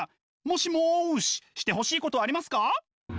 もしもししてほしいことありますか？